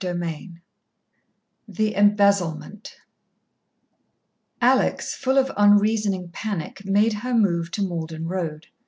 XXVII The Embezzlement Alex, full of unreasoning panic, made her move to Malden Road.